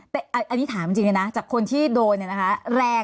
แต่อันนี้ถามจริงเลยนะจากคนที่โดนเนี่ยนะคะแรง